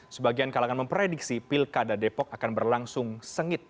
sebagian kalangan memprediksi pilkada depok akan berlangsung sengit